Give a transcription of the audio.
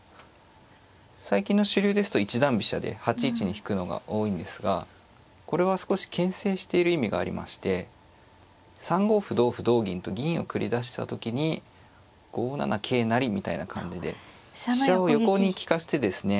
最近の主流ですと一段飛車で８一に引くのが多いんですがこれは少しけん制している意味がありまして３五歩同歩同銀と銀を繰り出した時に５七桂成みたいな感じで飛車を横に利かしてですね